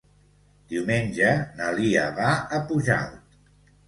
Diumenge na Lia va a Pujalt.